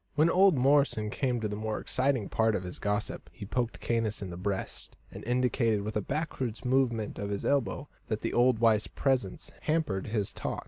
When old Morrison came to the more exciting part of his gossip, he poked Caius in the breast, and indicated by a backward movement of his elbow that the old wife's presence hampered his talk.